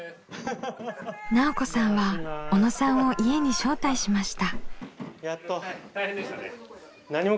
奈緒子さんは小野さんを家に招待しました。